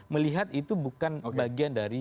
melihat itu bukan bagian dari